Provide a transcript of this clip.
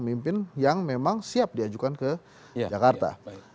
pemimpin yang memang siap diajukan ke jakarta